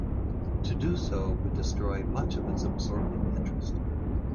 To do so would destroy much of its absorbing interest.